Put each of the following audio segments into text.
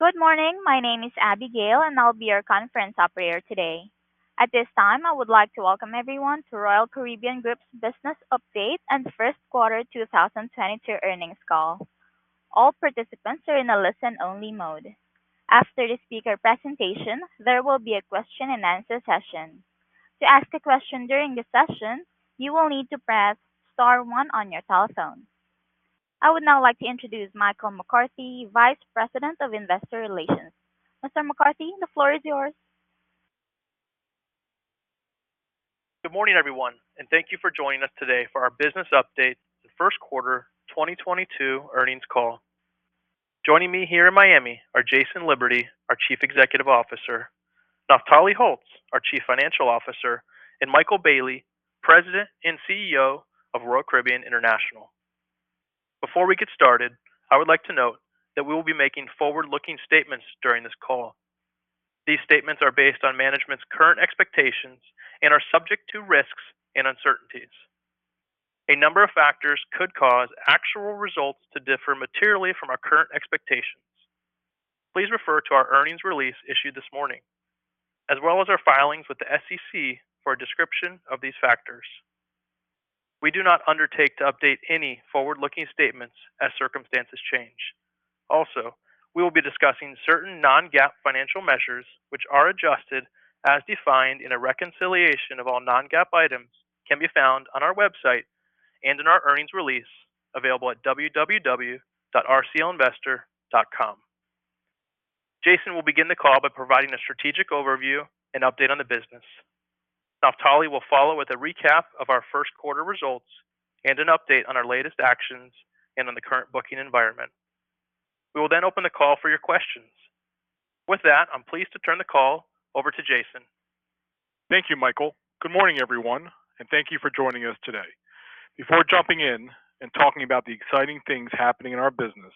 Good morning. My name is Abigail, and I'll be your conference operator today. At this time, I would like to welcome everyone to Royal Caribbean Group's Business Update and First Quarter 2022 Earnings Call. All participants are in a listen-only mode. After the speaker presentation, there will be a question-and-answer session. To ask a question during the session, you will need to press star one on your telephone. I would now like to introduce Michael McCarthy, Vice President of Investor Relations. Mr. McCarthy, the floor is yours. Good morning, everyone, and thank you for joining us today for our business update, the first quarter 2022 earnings call. Joining me here in Miami are Jason Liberty, our Chief Executive Officer, Naftali Holtz, our Chief Financial Officer, and Michael Bayley, President and CEO of Royal Caribbean International. Before we get started, I would like to note that we will be making forward-looking statements during this call. These statements are based on management's current expectations and are subject to risks and uncertainties. A number of factors could cause actual results to differ materially from our current expectations. Please refer to our earnings release issued this morning, as well as our filings with the SEC for a description of these factors. We do not undertake to update any forward-looking statements as circumstances change. Also, we will be discussing certain non-GAAP financial measures, which are adjusted as defined. A reconciliation of all non-GAAP items can be found on our website and in our earnings release available at www.rclinvestor.com. Jason will begin the call by providing a strategic overview and update on the business. Naftali will follow with a recap of our first quarter results and an update on our latest actions and on the current booking environment. We will then open the call for your questions. With that, I'm pleased to turn the call over to Jason. Thank you, Michael. Good morning, everyone, and thank you for joining us today. Before jumping in and talking about the exciting things happening in our business,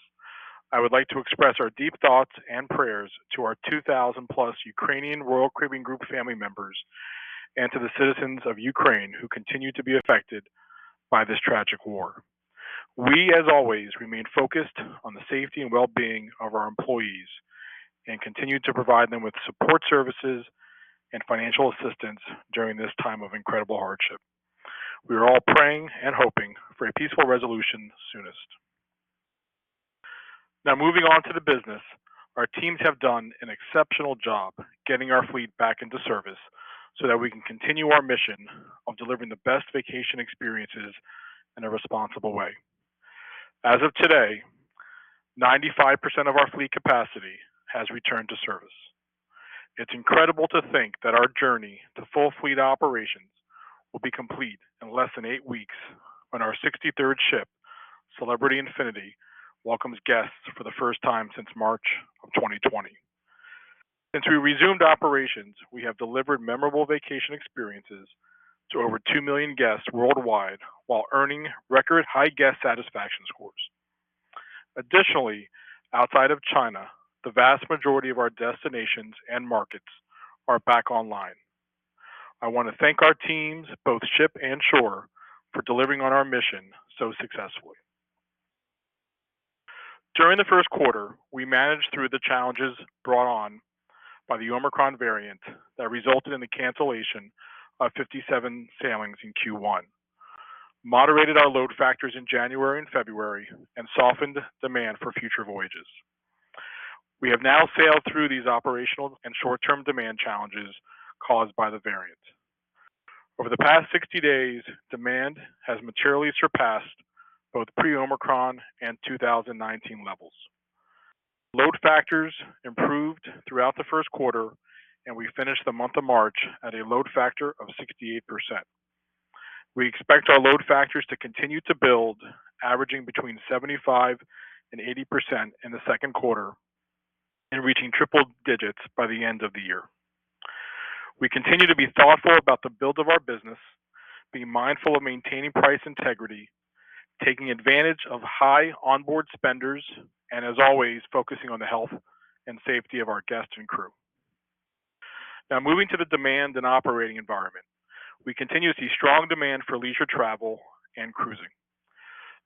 I would like to express our deep thoughts and prayers to our 2,000+ Ukrainian Royal Caribbean Group family members and to the citizens of Ukraine who continue to be affected by this tragic war. We, as always, remain focused on the safety and well-being of our employees and continue to provide them with support services and financial assistance during this time of incredible hardship. We are all praying and hoping for a peaceful resolution soonest. Now moving on to the business. Our teams have done an exceptional job getting our fleet back into service so that we can continue our mission of delivering the best vacation experiences in a responsible way. As of today, 95% of our fleet capacity has returned to service. It's incredible to think that our journey to full fleet operations will be complete in less than eight weeks when our 63rd ship, Celebrity Infinity, welcomes guests for the first time since March of 2020. Since we resumed operations, we have delivered memorable vacation experiences to over two million guests worldwide while earning record high guest satisfaction scores. Additionally, outside of China, the vast majority of our destinations and markets are back online. I want to thank our teams, both ship and shore, for delivering on our mission so successfully. During the first quarter, we managed through the challenges brought on by the Omicron variant that resulted in the cancellation of 57 sailings in Q1, moderated our load factors in January and February, and softened demand for future voyages. We have now sailed through these operational and short-term demand challenges caused by the variant. Over the past 60 days, demand has materially surpassed both pre-Omicron and 2019 levels. Load factors improved throughout the first quarter, and we finished the month of March at a load factor of 68%. We expect our load factors to continue to build, averaging between 75% and 80% in the second quarter and reaching triple digits by the end of the year. We continue to be thoughtful about the build of our business, being mindful of maintaining price integrity, taking advantage of high onboard spenders, and as always, focusing on the health and safety of our guests and crew. Now moving to the demand and operating environment. We continue to see strong demand for leisure travel and cruising.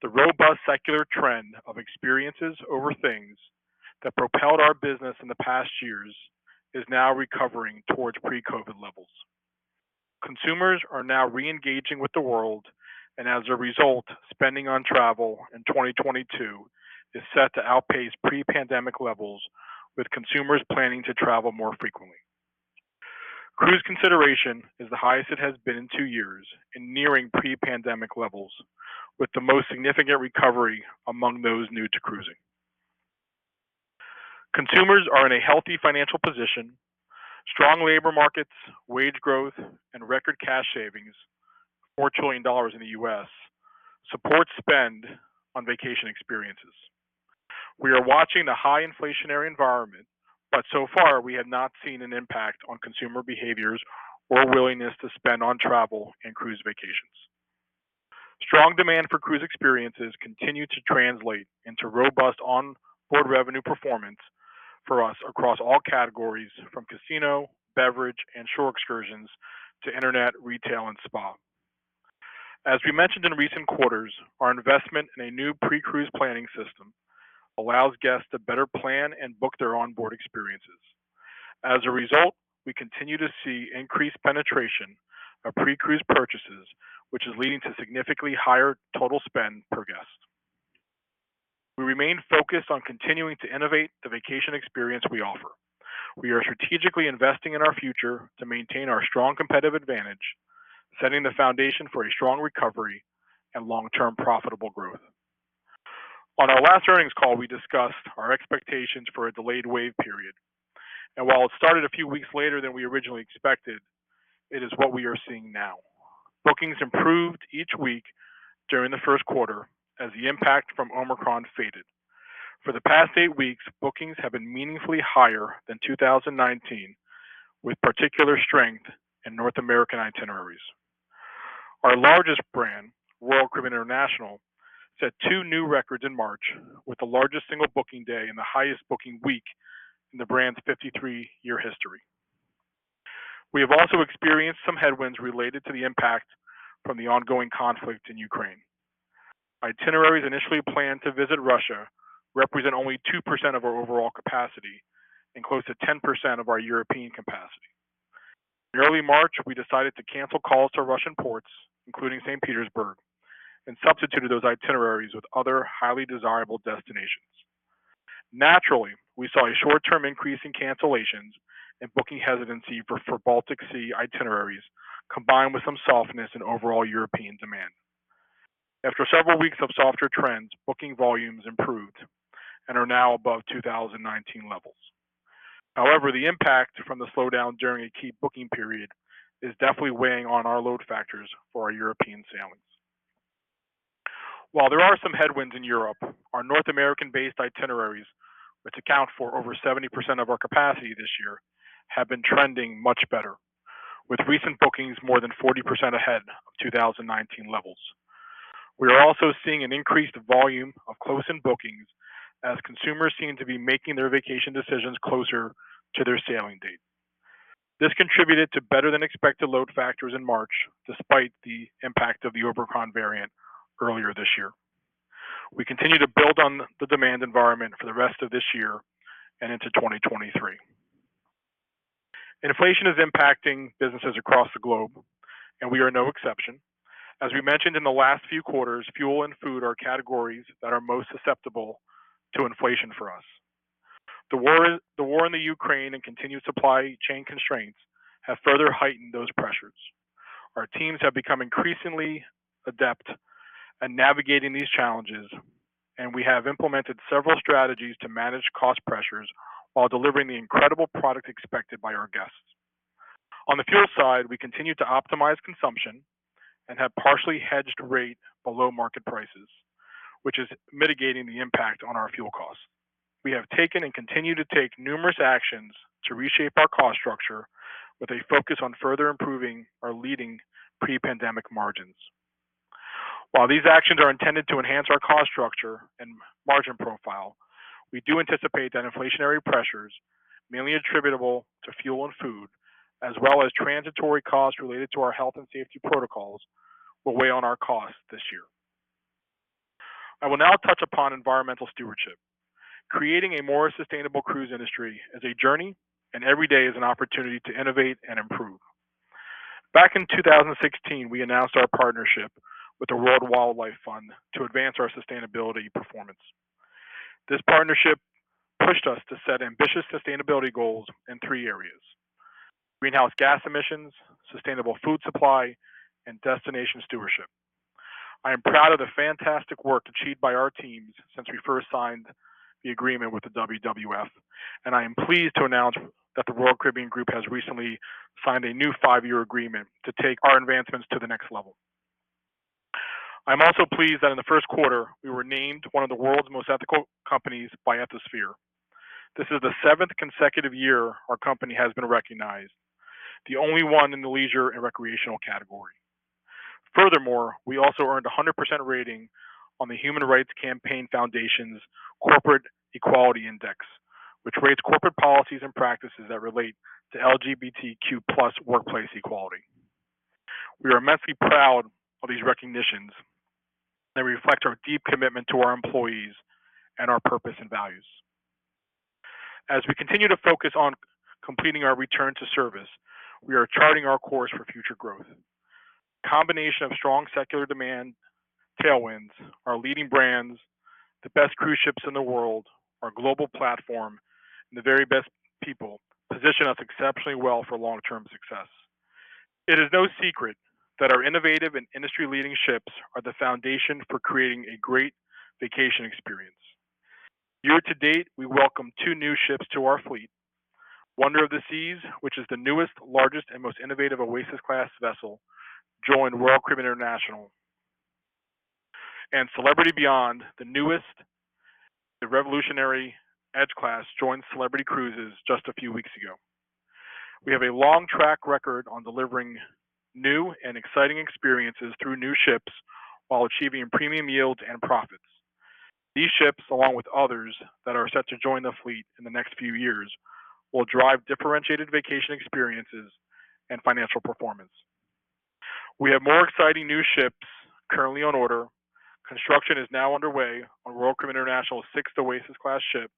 The robust secular trend of experiences over things that propelled our business in the past years is now recovering towards pre-COVID levels. Consumers are now re-engaging with the world, and as a result, spending on travel in 2022 is set to outpace pre-pandemic levels, with consumers planning to travel more frequently. Cruise consideration is the highest it has been in two years and nearing pre-pandemic levels, with the most significant recovery among those new to cruising. Consumers are in a healthy financial position. Strong labor markets, wage growth, and record cash savings, $4 trillion in the U.S., support spend on vacation experiences. We are watching the high inflationary environment, but so far we have not seen an impact on consumer behaviors or willingness to spend on travel and cruise vacations. Strong demand for cruise experiences continues to translate into robust onboard revenue performance for us across all categories from casino, beverage, and shore excursions to internet, retail, and spa. As we mentioned in recent quarters, our investment in a new pre-cruise planning system allows guests to better plan and book their onboard experiences. As a result, we continue to see increased penetration of pre-cruise purchases, which is leading to significantly higher total spend per guest. We remain focused on continuing to innovate the vacation experience we offer. We are strategically investing in our future to maintain our strong competitive advantage, setting the foundation for a strong recovery and long-term profitable growth. On our last earnings call, we discussed our expectations for a delayed wave period. While it started a few weeks later than we originally expected, it is what we are seeing now. Bookings improved each week during the first quarter as the impact from Omicron faded. For the past eight weeks, bookings have been meaningfully higher than 2019, with particular strength in North American itineraries. Our largest brand, Royal Caribbean International, set two new records in March with the largest single booking day and the highest booking week in the brand's 53-year history. We have also experienced some headwinds related to the impact from the ongoing conflict in Ukraine. Itineraries initially planned to visit Russia represent only 2% of our overall capacity and close to 10% of our European capacity. In early March, we decided to cancel calls to Russian ports, including St. Petersburg, and substituted those itineraries with other highly desirable destinations. Naturally, we saw a short-term increase in cancellations and booking hesitancy for Baltic Sea itineraries, combined with some softness in overall European demand. After several weeks of softer trends, booking volumes improved and are now above 2019 levels. However, the impact from the slowdown during a key booking period is definitely weighing on our load factors for our European sailings. While there are some headwinds in Europe, our North American-based itineraries, which account for over 70% of our capacity this year, have been trending much better, with recent bookings more than 40% ahead of 2019 levels. We are also seeing an increased volume of close-in bookings as consumers seem to be making their vacation decisions closer to their sailing date. This contributed to better-than-expected load factors in March, despite the impact of the Omicron variant earlier this year. We continue to build on the demand environment for the rest of this year and into 2023. Inflation is impacting businesses across the globe, and we are no exception. As we mentioned in the last few quarters, fuel and food are categories that are most susceptible to inflation for us. The war in the Ukraine and continued supply chain constraints have further heightened those pressures. Our teams have become increasingly adept at navigating these challenges, and we have implemented several strategies to manage cost pressures while delivering the incredible product expected by our guests. On the fuel side, we continue to optimize consumption and have partially hedged rate below market prices, which is mitigating the impact on our fuel costs. We have taken and continue to take numerous actions to reshape our cost structure with a focus on further improving our leading pre-pandemic margins. While these actions are intended to enhance our cost structure and margin profile, we do anticipate that inflationary pressures, mainly attributable to fuel and food, as well as transitory costs related to our health and safety protocols, will weigh on our costs this year. I will now touch upon environmental stewardship. Creating a more sustainable cruise industry is a journey, and every day is an opportunity to innovate and improve. Back in 2016, we announced our partnership with the World Wildlife Fund to advance our sustainability performance. This partnership pushed us to set ambitious sustainability goals in three areas, greenhouse gas emissions, sustainable food supply, and destination stewardship. I am proud of the fantastic work achieved by our teams since we first signed the agreement with the WWF, and I am pleased to announce that the Royal Caribbean Group has recently signed a new five-year agreement to take our advancements to the next level. I'm also pleased that in the first quarter we were named one of the world's most ethical companies by Ethisphere. This is the seventh consecutive year our company has been recognized, the only one in the leisure and recreational category. Furthermore, we also earned a 100% rating on the Human Rights Campaign Foundation's Corporate Equality Index, which rates corporate policies and practices that relate to LGBTQ+ workplace equality. We are immensely proud of these recognitions. They reflect our deep commitment to our employees and our purpose and values. As we continue to focus on completing our return to service, we are charting our course for future growth. Combination of strong secular demand tailwinds, our leading brands, the best cruise ships in the world, our global platform, and the very best people position us exceptionally well for long-term success. It is no secret that our innovative and industry-leading ships are the foundation for creating a great vacation experience. Year to date, we welcome two new ships to our fleet. Wonder of the Seas, which is the newest, largest, and most innovative Oasis-class vessel, joined Royal Caribbean International. Celebrity Beyond, the newest, the revolutionary Edge-class, joined Celebrity Cruises just a few weeks ago. We have a long track record on delivering new and exciting experiences through new ships while achieving premium yields and profits. These ships, along with others that are set to join the fleet in the next few years, will drive differentiated vacation experiences and financial performance. We have more exciting new ships currently on order. Construction is now underway on Royal Caribbean International's sixth Oasis-class ship,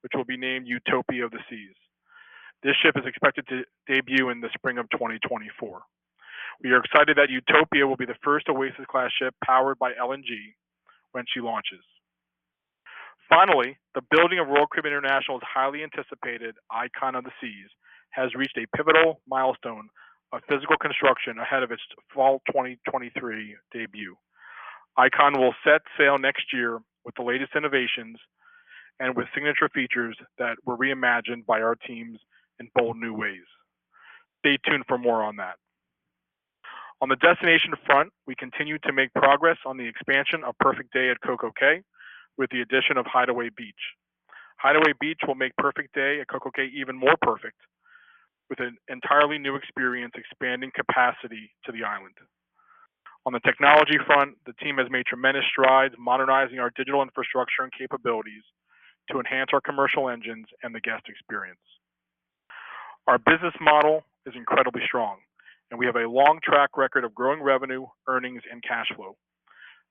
which will be named Utopia of the Seas. This ship is expected to debut in the spring of 2024. We are excited that Utopia will be the first Oasis-class ship powered by LNG when she launches. Finally, the building of Royal Caribbean International's highly anticipated Icon of the Seas has reached a pivotal milestone on physical construction ahead of its fall 2023 debut. Icon will set sail next year with the latest innovations and with signature features that were reimagined by our teams in bold new ways. Stay tuned for more on that. On the destination front, we continue to make progress on the expansion of Perfect Day at CocoCay with the addition of Hideaway Beach. Hideaway Beach will make Perfect Day at CocoCay even more perfect, with an entirely new experience expanding capacity to the island. On the technology front, the team has made tremendous strides modernizing our digital infrastructure and capabilities to enhance our commercial engines and the guest experience. Our business model is incredibly strong, and we have a long track record of growing revenue, earnings and cash flow.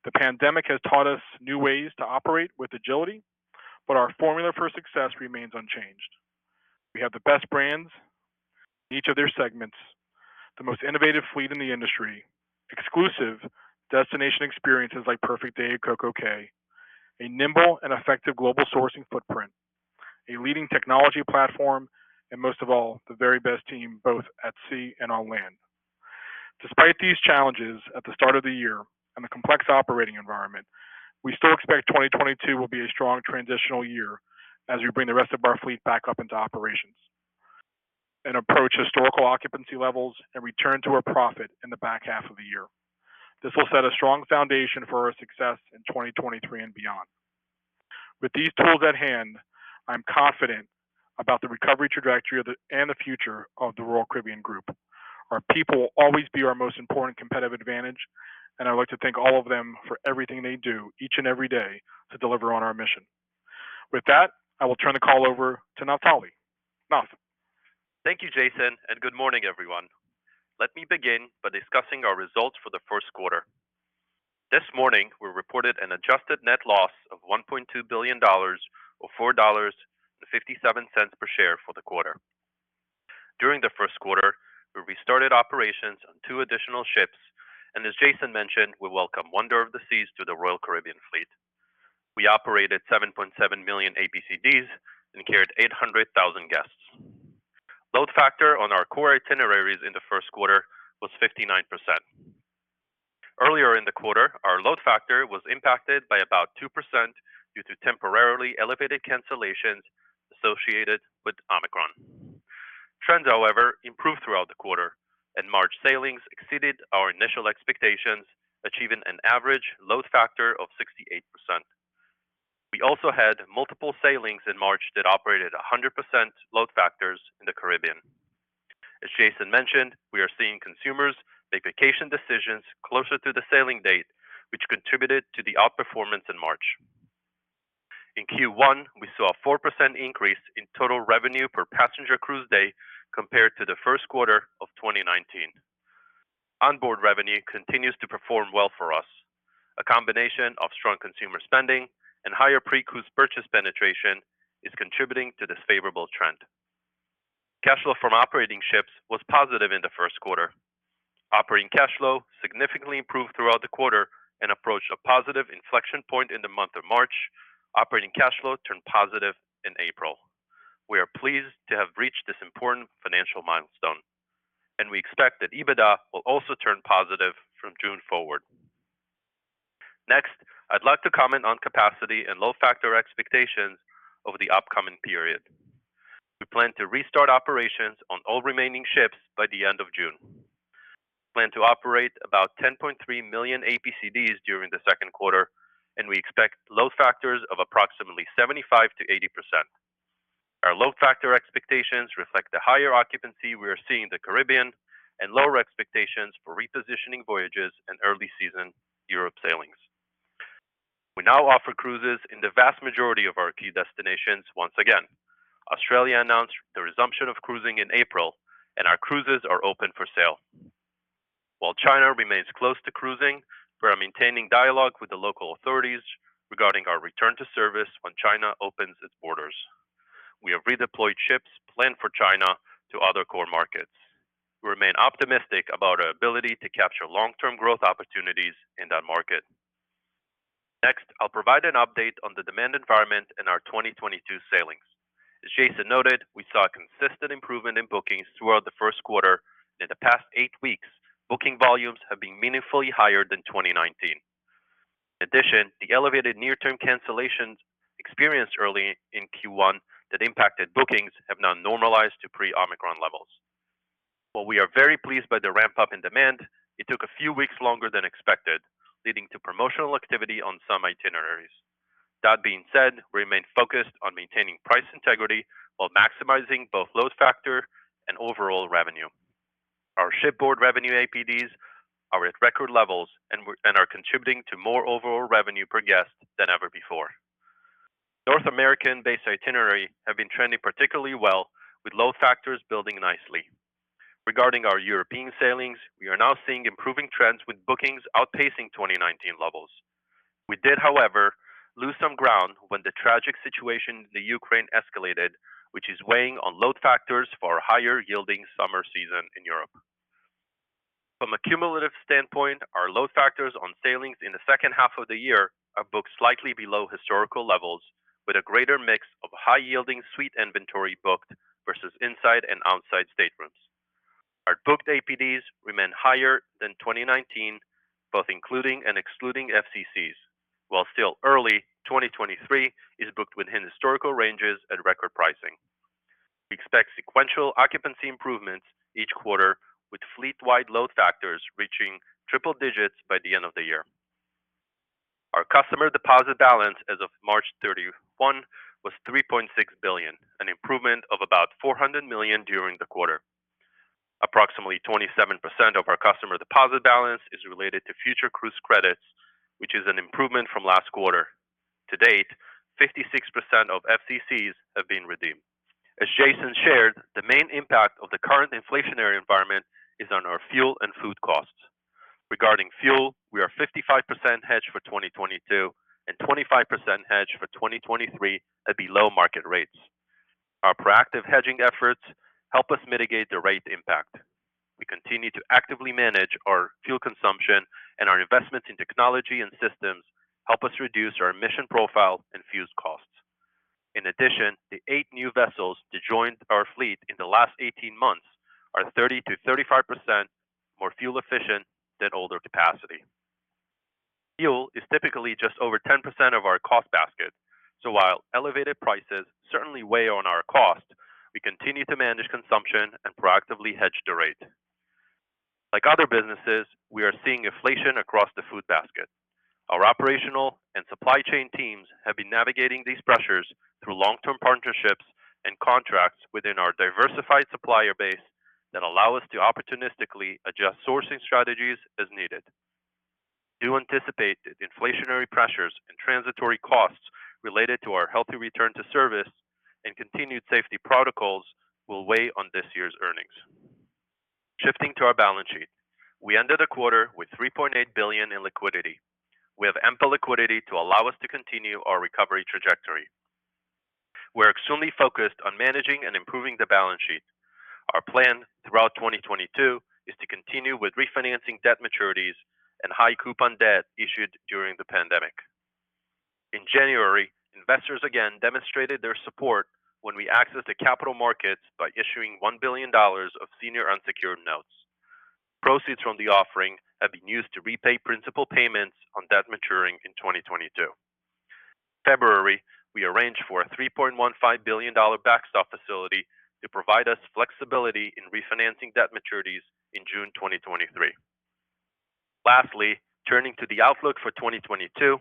The pandemic has taught us new ways to operate with agility, but our formula for success remains unchanged. We have the best brands in each of their segments, the most innovative fleet in the industry, exclusive destination experiences like Perfect Day at CocoCay, a nimble and effective global sourcing footprint, a leading technology platform, and most of all, the very best team both at sea and on land. Despite these challenges at the start of the year and the complex operating environment, we still expect 2022 will be a strong transitional year as we bring the rest of our fleet back up into operations and approach historical occupancy levels and return to a profit in the back half of the year. This will set a strong foundation for our success in 2023 and beyond. With these tools at hand, I'm confident about the recovery trajectory and the future of the Royal Caribbean Group. Our people will always be our most important competitive advantage, and I'd like to thank all of them for everything they do each and every day to deliver on our mission. With that, I will turn the call over to Naftali. Nat? Thank you, Jason, and good morning, everyone. Let me begin by discussing our results for the first quarter. This morning, we reported an adjusted net loss of $1.2 billion, or $4.57 per share for the quarter. During the first quarter, we restarted operations on two additional ships, and as Jason mentioned, we welcome Wonder of the Seas to the Royal Caribbean fleet. We operated 7.7 million APCDs and carried 800,000 guests. Load factor on our core itineraries in the first quarter was 59%. Earlier in the quarter, our load factor was impacted by about 2% due to temporarily elevated cancellations associated with Omicron. Trends, however, improved throughout the quarter, and March sailings exceeded our initial expectations, achieving an average load factor of 68%. We also had multiple sailings in March that operated 100% load factors in the Caribbean. As Jason mentioned, we are seeing consumers make vacation decisions closer to the sailing date, which contributed to the outperformance in March. In Q1, we saw a 4% increase in total revenue per passenger cruise day compared to the first quarter of 2019. Onboard revenue continues to perform well for us. A combination of strong consumer spending and higher pre-cruise purchase penetration is contributing to this favorable trend. Cash flow from operating ships was positive in the first quarter. Operating cash flow significantly improved throughout the quarter and approached a positive inflection point in the month of March. Operating cash flow turned positive in April. We are pleased to have reached this important financial milestone, and we expect that EBITDA will also turn positive from June forward. Next, I'd like to comment on capacity and load factor expectations over the upcoming period. We plan to restart operations on all remaining ships by the end of June. We plan to operate about 10.3 million APCDs during the second quarter, and we expect load factors of approximately 75%-80%. Our load factor expectations reflect the higher occupancy we are seeing in the Caribbean and lower expectations for repositioning voyages and early season Europe sailings. We now offer cruises in the vast majority of our key destinations once again. Australia announced the resumption of cruising in April, and our cruises are open for sale. While China remains closed to cruising, we are maintaining dialogue with the local authorities regarding our return to service when China opens its borders. We have redeployed ships planned for China to other core markets. We remain optimistic about our ability to capture long-term growth opportunities in that market. Next, I'll provide an update on the demand environment in our 2022 sailings. As Jason noted, we saw a consistent improvement in bookings throughout the first quarter. In the past eight weeks, booking volumes have been meaningfully higher than 2019. In addition, the elevated near-term cancellations experienced early in Q1 that impacted bookings have now normalized to pre-Omicron levels. While we are very pleased by the ramp-up in demand, it took a few weeks longer than expected, leading to promotional activity on some itineraries. That being said, we remain focused on maintaining price integrity while maximizing both load factor and overall revenue. Our shipboard revenue APDs are at record levels and are contributing to more overall revenue per guest than ever before. North American-based itinerary have been trending particularly well with load factors building nicely. Regarding our European sailings, we are now seeing improving trends with bookings outpacing 2019 levels. We did, however, lose some ground when the tragic situation in the Ukraine escalated, which is weighing on load factors for higher yielding summer season in Europe. From a cumulative standpoint, our load factors on sailings in the second half of the year are booked slightly below historical levels with a greater mix of high-yielding suite inventory booked versus inside and outside staterooms. Our booked APDs remain higher than 2019, both including and excluding FCCs. While still early, 2023 is booked within historical ranges at record pricing. We expect sequential occupancy improvements each quarter with fleet-wide load factors reaching triple digits by the end of the year. Our customer deposit balance as of March 31 was $3.6 billion, an improvement of about $400 million during the quarter. Approximately 27% of our customer deposit balance is related to future cruise credits, which is an improvement from last quarter. To date, 56% of FCCs have been redeemed. As Jason shared, the main impact of the current inflationary environment is on our fuel and food costs. Regarding fuel, we are 55% hedged for 2022 and 25% hedged for 2023 at below market rates. Our proactive hedging efforts help us mitigate the rate impact. We continue to actively manage our fuel consumption and our investments in technology and systems help us reduce our emission profile and fuel costs. In addition, the eight new vessels to join our fleet in the last 18 months are 30%-35% more fuel efficient than older capacity. Fuel is typically just over 10% of our cost basket. While elevated prices certainly weigh on our cost, we continue to manage consumption and proactively hedge the rate. Like other businesses, we are seeing inflation across the food basket. Our operational and supply chain teams have been navigating these pressures through long-term partnerships and contracts within our diversified supplier base that allow us to opportunistically adjust sourcing strategies as needed. We do anticipate that inflationary pressures and transitory costs related to our healthy return to service and continued safety protocols will weigh on this year's earnings. Shifting to our balance sheet, we ended the quarter with $3.8 billion in liquidity. We have ample liquidity to allow us to continue our recovery trajectory. We're extremely focused on managing and improving the balance sheet. Our plan throughout 2022 is to continue with refinancing debt maturities and high coupon debt issued during the pandemic. In January, investors again demonstrated their support when we accessed the capital markets by issuing $1 billion of senior unsecured notes. Proceeds from the offering have been used to repay principal payments on debt maturing in 2022. February, we arranged for a $3.15 billion backstop facility to provide us flexibility in refinancing debt maturities in June 2023. Lastly, turning to the outlook for 2022,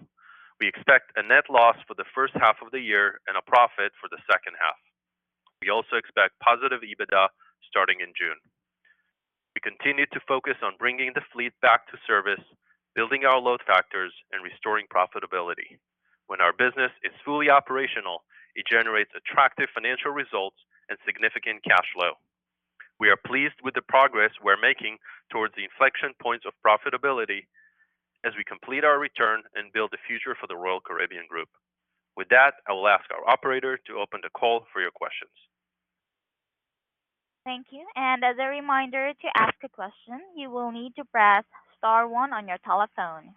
we expect a net loss for the first half of the year and a profit for the second half. We also expect positive EBITDA starting in June. We continue to focus on bringing the fleet back to service, building our load factors and restoring profitability. When our business is fully operational, it generates attractive financial results and significant cash flow. We are pleased with the progress we're making towards the inflection points of profitability as we complete our return and build the future for the Royal Caribbean Group. With that, I will ask our operator to open the call for your questions. Thank you. As a reminder to ask a question, you will need to press star one on your telephone.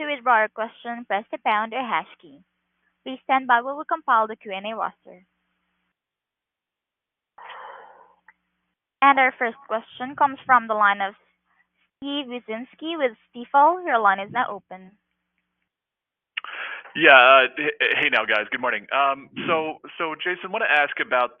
To withdraw your question, press the pound or hash key. Please stand by while we compile the Q&A roster. Our first question comes from the line of Steve Wieczynski with Stifel. Your line is now open. Hey now, guys. Good morning. So Jason, wanna ask about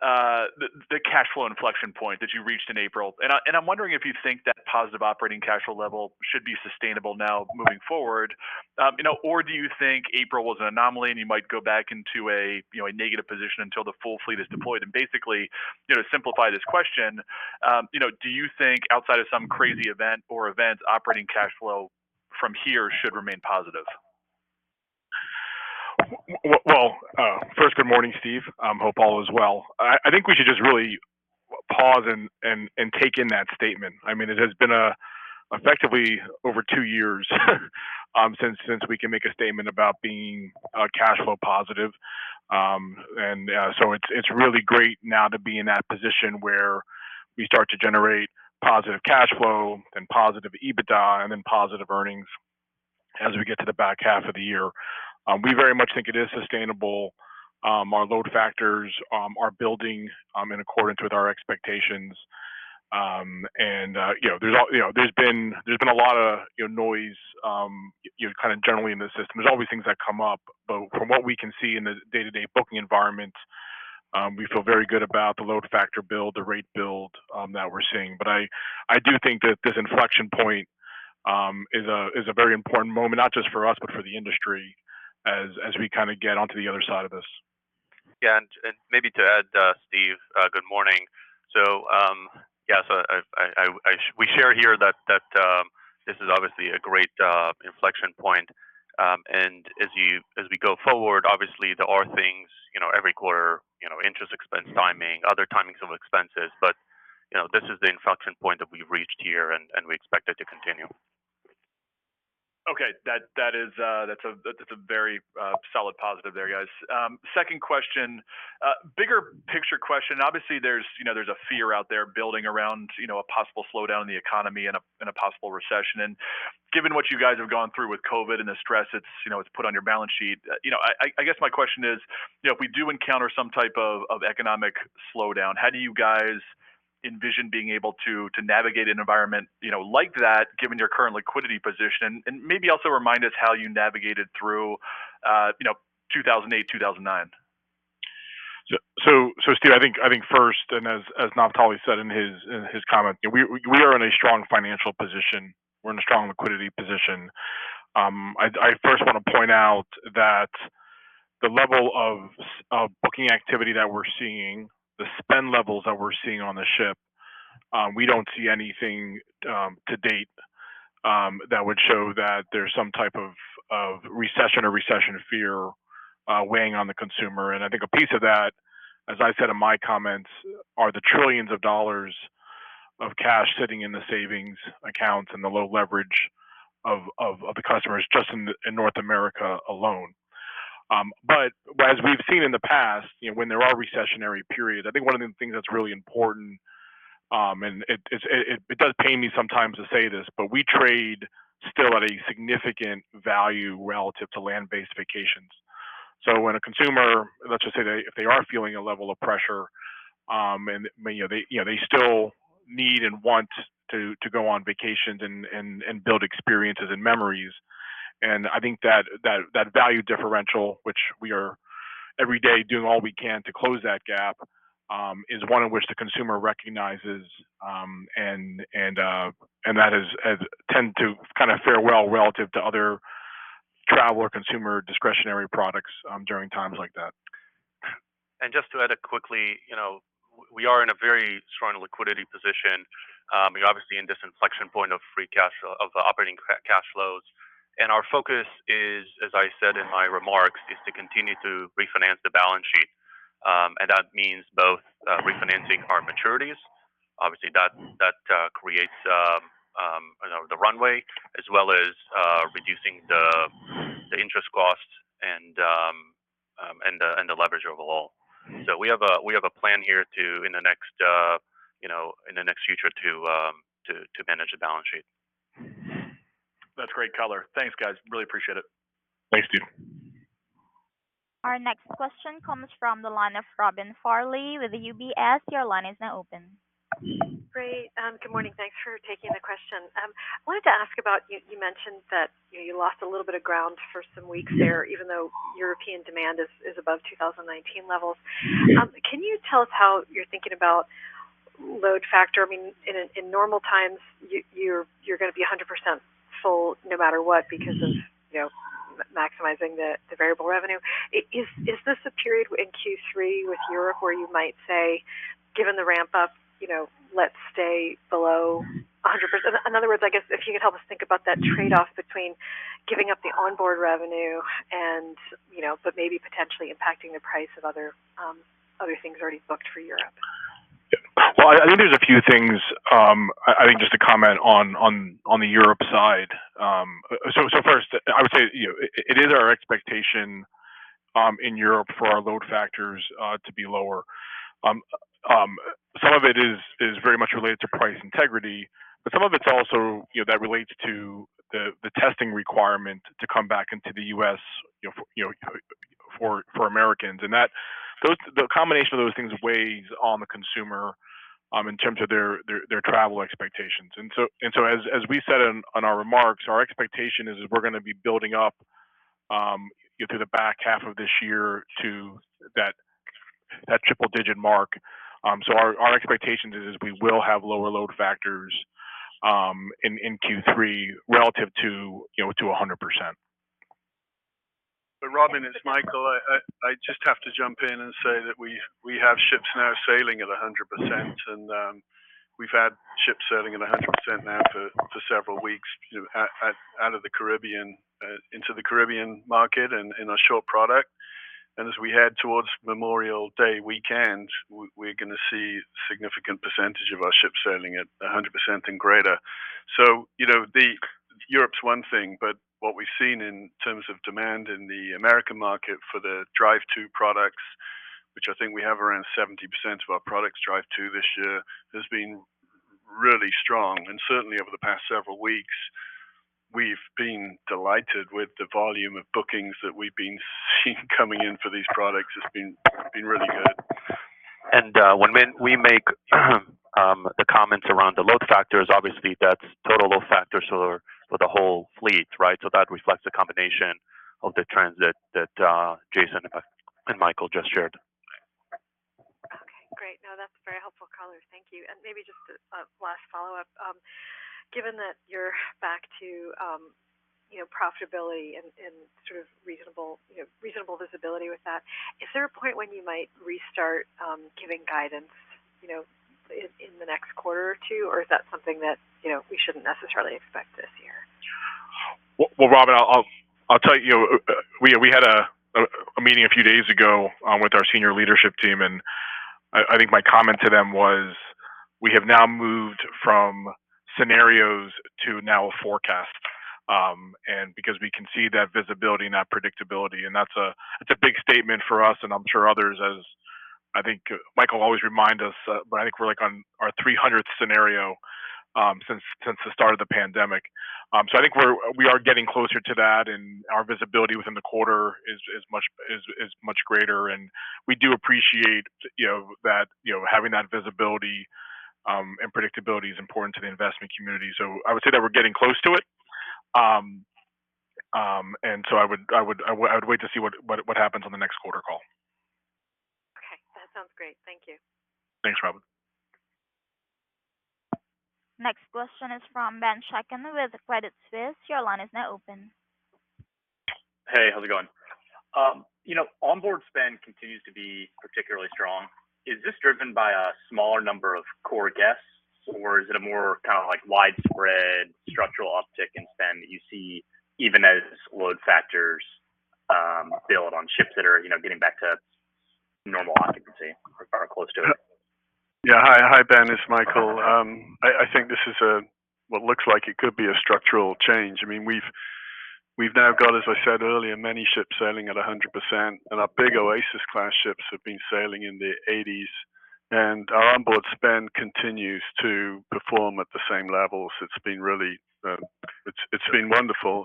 the cash flow inflection point that you reached in April. I'm wondering if you think that positive operating cash flow level should be sustainable now moving forward. You know, or do you think April was an anomaly and you might go back into a, you know, a negative position until the full fleet is deployed? Basically, you know, to simplify this question, you know, do you think outside of some crazy event or events, operating cash flow from here should remain positive? Well, first good morning, Steve. Hope all is well. I think we should just really pause and take in that statement. I mean, it has been effectively over two years since we can make a statement about being cash flow positive. It's really great now to be in that position where we start to generate positive cash flow and positive EBITDA and then positive earnings as we get to the back half of the year. We very much think it is sustainable. Our load factors are building in accordance with our expectations. You know, there's been a lot of, you know, noise, you know, kind of generally in the system. There's always things that come up, but from what we can see in the day-to-day booking environment, we feel very good about the load factor build, the rate build, that we're seeing. I do think that this inflection point is a very important moment, not just for us, but for the industry as we kind of get onto the other side of this. Yeah, maybe to add, Steve, good morning. We share here that this is obviously a great inflection point. As we go forward, obviously there are things, you know, every quarter, you know, interest expense timing. Mm-hmm. Other timings of expenses. You know, this is the inflection point that we've reached here, and we expect it to continue. Okay. That is, that's a very solid positive there, guys. Second question, bigger picture question, obviously there's, you know, there's a fear out there building around, you know, a possible slowdown in the economy and a possible recession. Given what you guys have gone through with COVID and the stress it's, you know, it's put on your balance sheet, you know, I guess my question is, you know, if we do encounter some type of economic slowdown, how do you guys envision being able to navigate an environment, you know, like that given your current liquidity position? Maybe also remind us how you navigated through, you know, 2008, 2009. Steve, I think first, as Naftali said in his comment, you know, we are in a strong financial position. We're in a strong liquidity position. I first wanna point out that the level of booking activity that we're seeing, the spend levels that we're seeing on the ship, we don't see anything to date that would show that there's some type of recession or recession fear weighing on the consumer. I think a piece of that, as I said in my comments, are the trillions of dollars of cash sitting in the savings accounts and the low leverage of the customers just in North America alone. As we've seen in the past, you know, when there are recessionary periods, I think one of the things that's really important, and it does pain me sometimes to say this, but we still trade at a significant value relative to land-based vacations. When a consumer, let's just say if they are feeling a level of pressure, and they may, you know, still need and want to go on vacations and build experiences and memories. I think that value differential, which we are every day doing all we can to close that gap, is one in which the consumer recognizes. That has tended to kind of fare well relative to other travel or consumer discretionary products, during times like that. Just to add quickly, you know, we are in a very strong liquidity position. We're obviously in this inflection point of free cash flow of operating cash flows. Our focus is, as I said in my remarks, is to continue to refinance the balance sheet. That means both refinancing our maturities. Obviously that creates you know the runway as well as reducing the interest costs and the leverage overall. Mm-hmm. We have a plan here, you know, in the near future, to manage the balance sheet. That's great color. Thanks, guys. Really appreciate it. Thanks, Steve. Our next question comes from the line of Robin Farley with UBS. Your line is now open. Great. Good morning. Thanks for taking the question. Wanted to ask about, you mentioned that, you know, you lost a little bit of ground for some weeks there even though European demand is above 2019 levels. Mm-hmm. Can you tell us how you're thinking about load factor? I mean, in normal times, you're gonna be 100% full no matter what because of- Mm-hmm You know, maximizing the variable revenue. Is this a period in Q3 with Europe where you might say, given the ramp up, you know, let's stay below 100%? In other words, I guess if you could help us think about that trade-off between giving up the onboard revenue and, you know, but maybe potentially impacting the price of other things already booked for Europe. Well, I think there's a few things, I think just to comment on the Europe side. First I would say, you know, it is our expectation in Europe for our load factors to be lower. Some of it is very much related to price integrity, but some of it's also, you know, that relates to the testing requirement to come back into the U.S., you know, for Americans. The combination of those things weighs on the consumer in terms of their travel expectations. As we said on our remarks, our expectation is we're gonna be building up, you know, through the back half of this year to that triple digit mark. Our expectation is we will have lower load factors in Q3 relative to, you know, 100%. Robin, it's Michael. I just have to jump in and say that we have ships now sailing at 100%, and we've had ships sailing at 100% now for several weeks, you know, out of the Caribbean into the Caribbean market and in our short product. As we head towards Memorial Day weekend, we're gonna see significant percentage of our ships sailing at 100% and greater. You know, Europe's one thing, but what we've seen in terms of demand in the American market for the drive to products, which I think we have around 70% of our products drive to this year, has been really strong. Certainly over the past several weeks, we've been delighted with the volume of bookings that we've been seeing coming in for these products. It's been really good. When we make the comments around the load factors, obviously that's total load factors for the whole fleet, right? That reflects the combination of the trends that Jason and Michael just shared. No, that's very helpful color. Thank you. Maybe just a last follow-up. Given that you're back to, you know, profitability and sort of reasonable, you know, reasonable visibility with that, is there a point when you might restart giving guidance, you know, in the next quarter or two? Or is that something that, you know, we shouldn't necessarily expect this year? Well, Robin, I'll tell you, we had a meeting a few days ago with our senior leadership team, and I think my comment to them was, we have now moved from scenarios to now a forecast. Because we can see that visibility and that predictability, and that's a big statement for us and I'm sure others as I think Michael always remind us, but I think we're like on our 300th scenario since the start of the pandemic. I think we are getting closer to that, and our visibility within the quarter is much greater. We do appreciate, you know, that, you know, having that visibility and predictability is important to the investment community. I would say that we're getting close to it. I would wait to see what happens on the next quarter call. Okay. That sounds great. Thank you. Thanks, Robin. Next question is from Benjamin Chaiken with Credit Suisse. Your line is now open. Hey, how's it going? You know, onboard spend continues to be particularly strong. Is this driven by a smaller number of core guests, or is it a more kind of like widespread structural uptick in spend that you see even as load factors build on ships that are, you know, getting back to normal occupancy or close to it? Hi, Ben, it's Michael. I think this is what looks like it could be a structural change. I mean, we've now got, as I said earlier, many ships sailing at 100%, and our big Oasis-class ships have been sailing in the 80s, and our onboard spend continues to perform at the same levels. It's been really. It's been wonderful.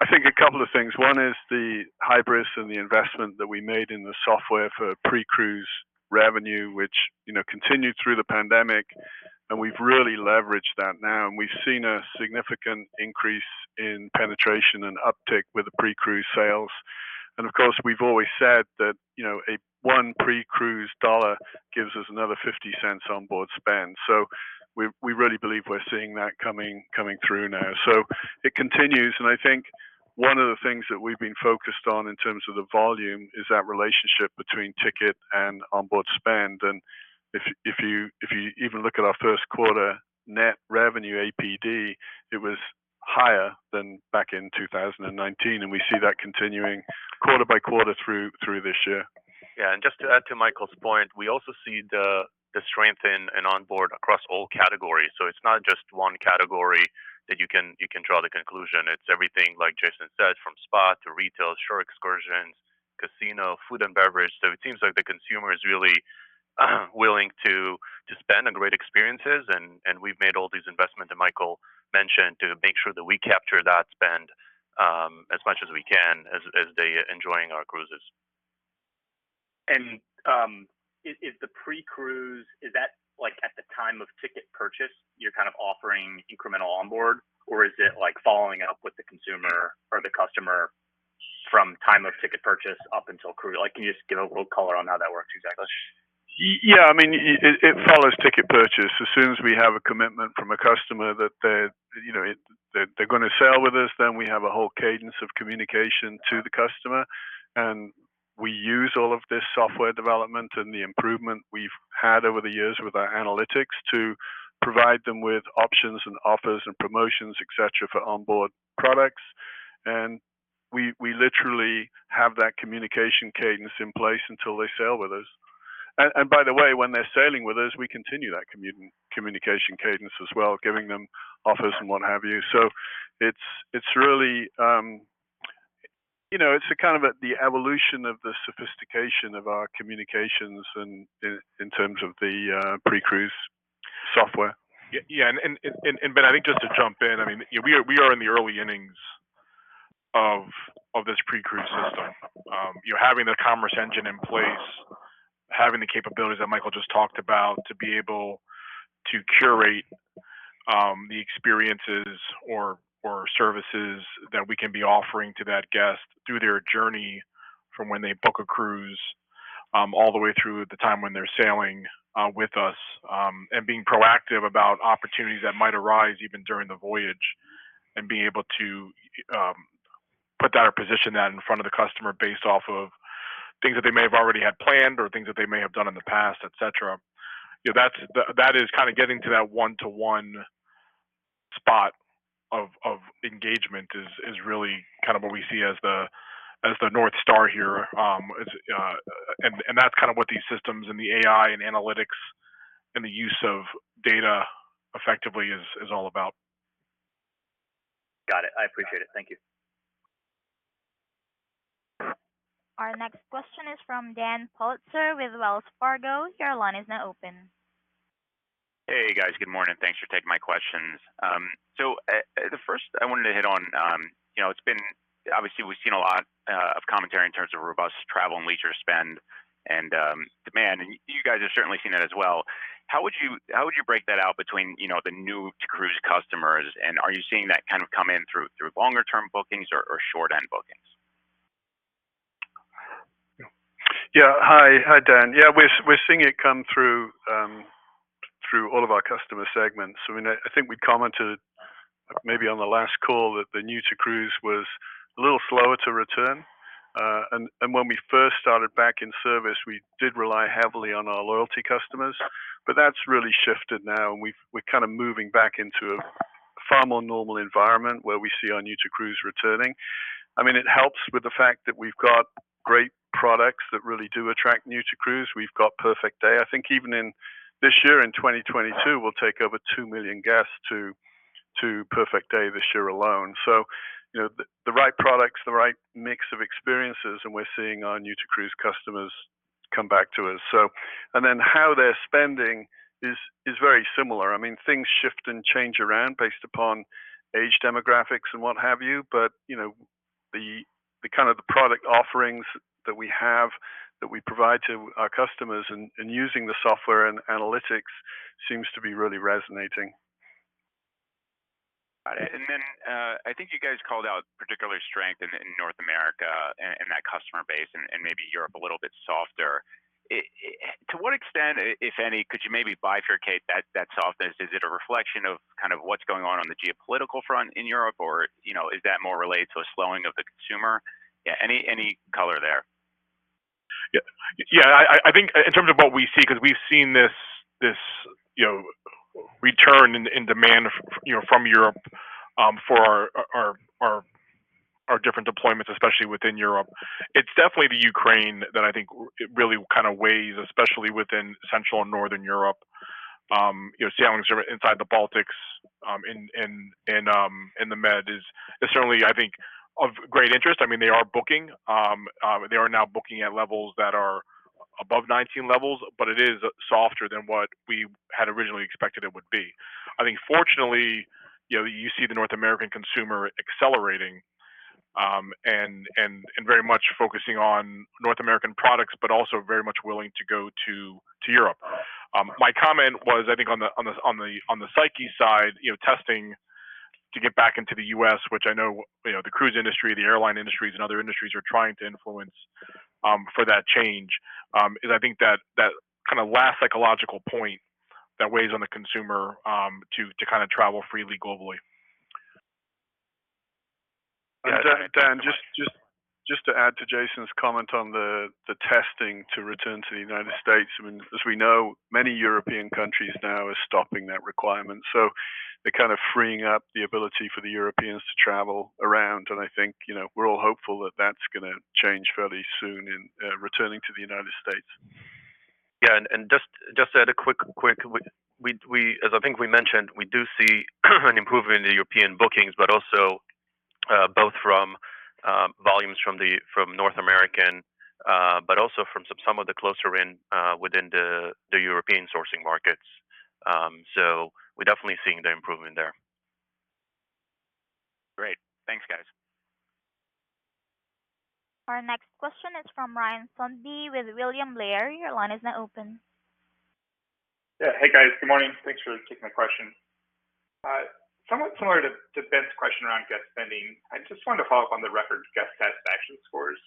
I think a couple of things. One is the Hybris and the investment that we made in the software for pre-cruise revenue, which, you know, continued through the pandemic, and we've really leveraged that now. We've seen a significant increase in penetration and uptick with the pre-cruise sales. Of course, we've always said that, you know, a $1 pre-cruise dollar gives us another $0.50 onboard spend. We really believe we're seeing that coming through now. It continues, and I think one of the things that we've been focused on in terms of the volume is that relationship between ticket and onboard spend. If you even look at our first quarter net revenue APD, it was higher than back in 2019, and we see that continuing quarter by quarter through this year. Yeah. Just to add to Michael's point, we also see the strength in onboard across all categories. It's not just one category that you can draw the conclusion. It's everything like Jason said, from spa to retail, shore excursions, casino, food and beverage. It seems like the consumer is really willing to spend on great experiences and we've made all these investments that Michael mentioned to make sure that we capture that spend, as much as we can as they're enjoying our cruises. Is the pre-cruise like at the time of ticket purchase, you're kind of offering incremental onboard, or is it like following up with the consumer or the customer from time of ticket purchase up until cruise? Like, can you just give a little color on how that works exactly? Yeah, I mean, it follows ticket purchase. As soon as we have a commitment from a customer that they're, you know, gonna sail with us, then we have a whole cadence of communication to the customer. We use all of this software development and the improvement we've had over the years with our analytics to provide them with options and offers and promotions, et cetera, for onboard products. We literally have that communication cadence in place until they sail with us. By the way, when they're sailing with us, we continue that communication cadence as well, giving them offers and what have you. It's really, you know, it's a kind of a, the evolution of the sophistication of our communications in terms of the pre-cruise software. Yeah. Ben, I think just to jump in, I mean, we are in the early innings of this pre-cruise system. You're having the commerce engine in place, having the capabilities that Michael just talked about to be able to curate the experiences or services that we can be offering to that guest through their journey from when they book a cruise all the way through the time when they're sailing with us, and being proactive about opportunities that might arise even during the voyage. Being able to put that or position that in front of the customer based off of things that they may have already had planned or things that they may have done in the past, et cetera. You know, that is kinda getting to that one-to-one spot of engagement is really kind of what we see as the North Star here. That's kind of what these systems and the AI and analytics and the use of data effectively is all about. Got it. I appreciate it. Thank you. Our next question is from Daniel Politzer with Wells Fargo. Your line is now open. Hey, guys. Good morning. Thanks for taking my questions. So, the first I wanted to hit on, you know, it's been obviously we've seen a lot of commentary in terms of robust travel and leisure spend and demand. You guys have certainly seen that as well. How would you break that out between, you know, the new cruise customers, and are you seeing that kind of come in through longer term bookings or short-end bookings? Yeah. Hi. Hi, Dan. Yeah, we're seeing it come through all of our customer segments. I mean, I think we commented maybe on the last call that the new to cruise was a little slower to return. When we first started back in service, we did rely heavily on our loyalty customers. That's really shifted now, and we're kind of moving back into a far more normal environment where we see our new to cruise returning. I mean, it helps with the fact that we've got great products that really do attract new to cruise. We've got Perfect Day. I think even in this year, in 2022, we'll take over two million guests to Perfect Day this year alone. You know, the right products, the right mix of experiences, and we're seeing our new to cruise customers come back to us. How they're spending is very similar. I mean, things shift and change around based upon age demographics and what have you. You know, the kind of the product offerings that we have, that we provide to our customers and using the software and analytics seems to be really resonating. Got it. I think you guys called out particular strength in North America and that customer base and maybe Europe a little bit softer. To what extent, if any, could you maybe bifurcate that softness? Is it a reflection of kind of what's going on the geopolitical front in Europe? Or, you know, is that more related to a slowing of the consumer? Yeah, any color there? Yeah. Yeah, I think in terms of what we see, 'cause we've seen this, you know, return in demand from Europe for our different deployments, especially within Europe. It's definitely the Ukraine that I think really kind of weighs, especially within Central and Northern Europe, you know, sailing sort of inside the Baltics in the Med is certainly, I think, of great interest. I mean, they are booking. They are now booking at levels that are above 2019 levels, but it is softer than what we had originally expected it would be. I think fortunately, you know, you see the North American consumer accelerating and very much focusing on North American products, but also very much willing to go to Europe. My comment was, I think on the psyche side, you know, testing to get back into the U.S., which I know, you know, the cruise industry, the airline industries and other industries are trying to influence for that change, is I think that kind of last psychological point that weighs on the consumer to kind of travel freely globally. Dan, just to add to Jason's comment on the testing to return to the United States, I mean, as we know, many European countries now are stopping that requirement. They're kind of freeing up the ability for the Europeans to travel around. I think, you know, we're all hopeful that that's gonna change fairly soon in returning to the United States. As I think we mentioned, we do see an improvement in the European bookings, but also both from volumes from North American, but also from some of the closer in within the European sourcing markets. So we're definitely seeing the improvement there. Great. Thanks, guys. Our next question is from Ryan Sundby with William Blair. Your line is now open. Yeah. Hey, guys. Good morning. Thanks for taking my question. Somewhat similar to Ben's question around guest spending. I just wanted to follow up on the record guest satisfaction scores.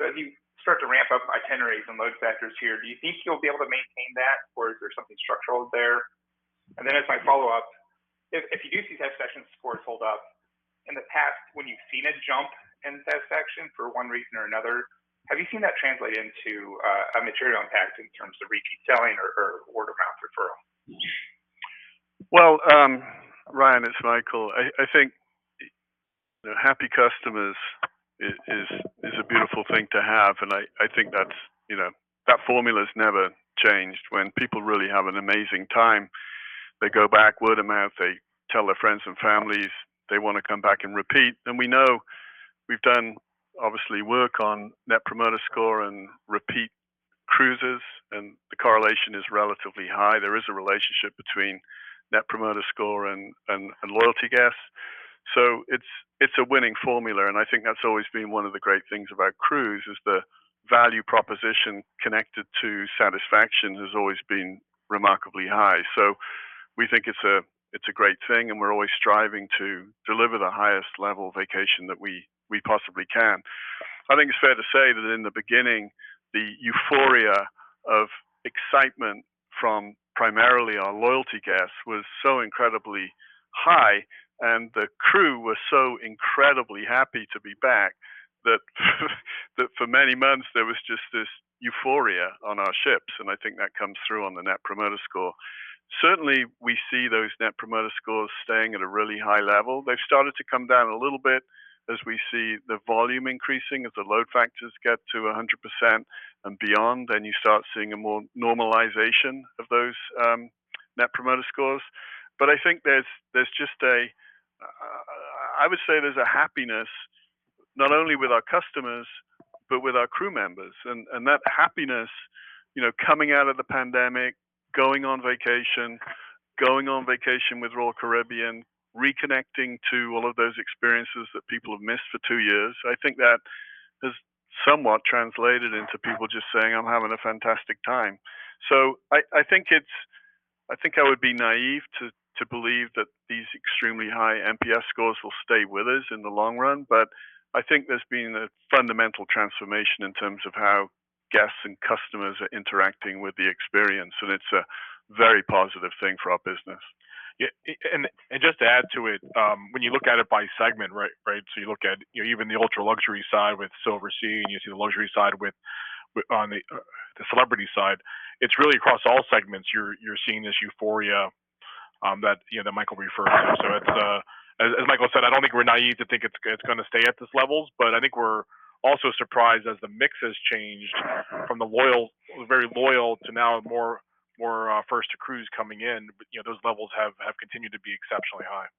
So as you start to ramp up itineraries and load factors here, do you think you'll be able to maintain that, or is there something structural there? Then as my follow-up, if you do see satisfaction scores hold up, in the past when you've seen a jump in satisfaction for one reason or another, have you seen that translate into a material impact in terms of repeat selling or word-of-mouth referral? Well, Ryan, it's Michael. I think, you know, happy customers is a beautiful thing to have. I think that's, you know, that formula's never changed. When people really have an amazing time, they go back, word of mouth, they tell their friends and families, they wanna come back and repeat. We know we've done, obviously, work on Net Promoter Score and repeat cruises, and the correlation is relatively high. There is a relationship between Net Promoter Score and loyalty guests. It's a winning formula, and I think that's always been one of the great things about cruise, is the value proposition connected to satisfaction has always been remarkably high. We think it's a great thing, and we're always striving to deliver the highest level vacation that we possibly can. I think it's fair to say that in the beginning, the euphoria of excitement from primarily our loyalty guests was so incredibly high, and the crew were so incredibly happy to be back that for many months there was just this euphoria on our ships, and I think that comes through on the Net Promoter Score. Certainly, we see those Net Promoter Scores staying at a really high level. They've started to come down a little bit as we see the volume increasing. As the load factors get to 100% and beyond, then you start seeing a more normalization of those, Net Promoter Scores. But I think there's just a happiness, I would say, not only with our customers, but with our crew members. That happiness, you know, coming out of the pandemic, going on vacation with Royal Caribbean, reconnecting to all of those experiences that people have missed for two years, I think that has somewhat translated into people just saying, "I'm having a fantastic time." I think I would be naive to believe that these extremely high NPS scores will stay with us in the long run, but I think there's been a fundamental transformation in terms of how guests and customers are interacting with the experience, and it's a very positive thing for our business. Yeah. Just to add to it, when you look at it by segment, right? You look at, you know, even the ultra-luxury side with Silversea, and you see the luxury side with on the Celebrity side. It's really across all segments. You're seeing this euphoria that, you know, that Michael referred to. It's as Michael said, I don't think we're naive to think it's gonna stay at these levels, but I think we're also surprised as the mix has changed from the loyal, very loyal to now more first to cruise coming in. You know, those levels have continued to be exceptionally high.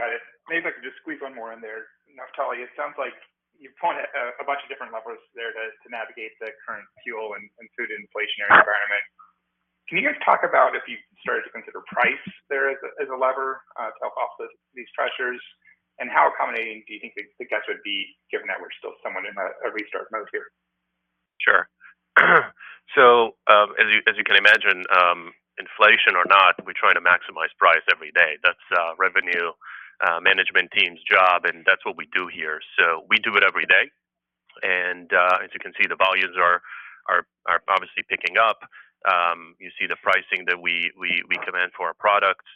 Got it. Maybe if I could just squeeze one more in there. Now, Naftali, it sounds like you've pointed a bunch of different levers there to navigate the current fuel and food inflationary environment. Can you guys talk about if you've started to consider price there as a lever to help offset these pressures? How accommodating do you think the guests would be given that we're still somewhat in a restart mode here? Sure. As you can imagine, inflation or not, we're trying to maximize price every day. That's revenue management team's job, and that's what we do here. We do it every day. As you can see, the volumes are obviously picking up. You see the pricing that we command for our products.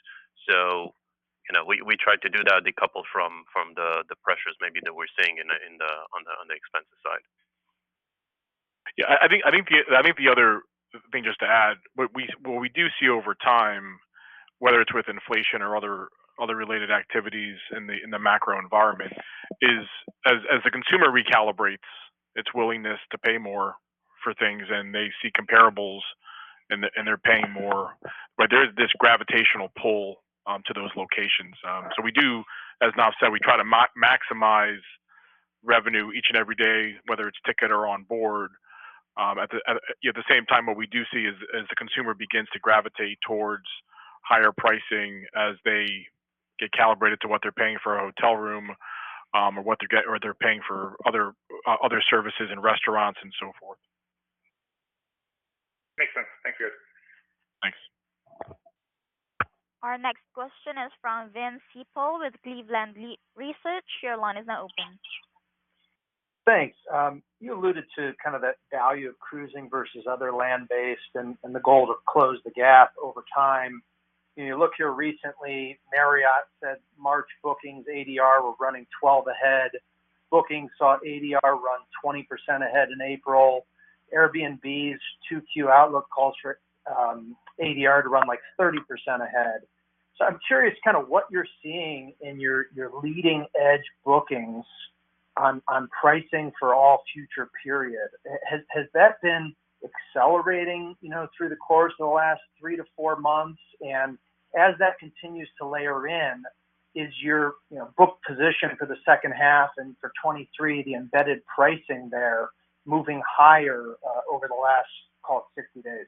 You know, we try to do that decoupled from the pressures maybe that we're seeing on the expenses side. Yeah. I think the other thing just to add, what we do see over time, whether it's with inflation or other related activities in the macro environment, is as the consumer recalibrates its willingness to pay more for things and they see comparables and they're paying more, right? There's this gravitational pull to those locations. So we do, as Nat said, we try to maximize revenue each and every day, whether it's ticket or on board. At you know, the same time what we do see is as the consumer begins to gravitate towards higher pricing as they get calibrated to what they're paying for a hotel room, or what they're paying for other services and restaurants and so forth. Makes sense. Thank you. Thanks. Our next question is from Vince Ciepiel with Cleveland Research Company. Your line is now open. Thanks. You alluded to kind of the value of cruising versus other land-based and the goal to close the gap over time. When you look here recently, Marriott said March bookings ADR were running 12 ahead. Bookings saw ADR run 20% ahead in April. Airbnb's 2Q outlook calls for ADR to run like 30% ahead. I'm curious kind of what you're seeing in your leading-edge bookings on pricing for all future period. Has that been accelerating, you know, through the course of the last 3-4 months? As that continues to layer in, is your book position for the second half and for 2023, the embedded pricing there moving higher over the last, call it 60 days?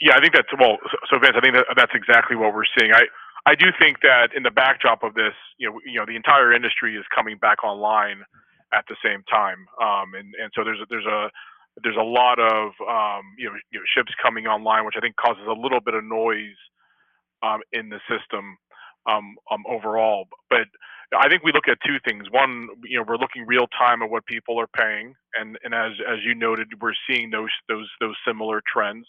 Yeah, I think that's. Well, Vince, I think that's exactly what we're seeing. I do think that in the backdrop of this, you know, the entire industry is coming back online at the same time. There's a lot of, you know, ships coming online, which I think causes a little bit of noise in the system overall. I think we look at two things. One, you know, we're looking real-time at what people are paying, and as you noted, we're seeing those similar trends.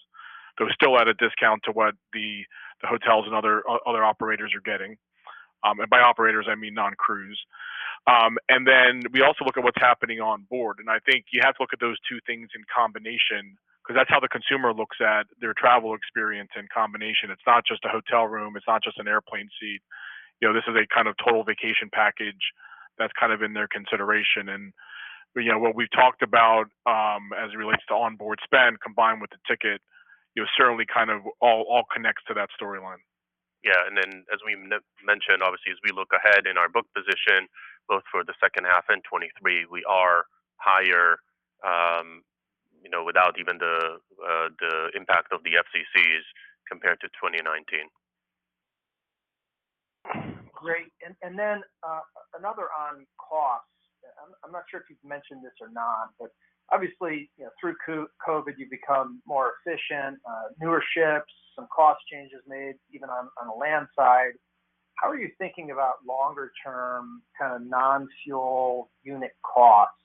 Though still at a discount to what the hotels and other operators are getting. By operators, I mean non-cruise. We also look at what's happening on board. I think you have to look at those two things in combination because that's how the consumer looks at their travel experience in combination. It's not just a hotel room. It's not just an airplane seat. You know, this is a kind of total vacation package that's kind of in their consideration. You know, what we've talked about as it relates to onboard spend combined with the ticket, you know, certainly kind of all connects to that storyline. As we mentioned, obviously, as we look ahead in our book position both for the second half and 2023, we are higher, you know, without even the impact of the FCCs compared to 2019. Great. Another on costs. I'm not sure if you've mentioned this or not, but obviously, you know, through COVID, you've become more efficient, newer ships, some cost changes made even on the land side. How are you thinking about longer-term kind of non-fuel unit costs?